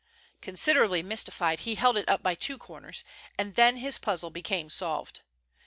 Considerably mystified, he held it up by two corners, and then his puzzle became solved.